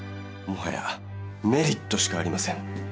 もはやメリットしかありません。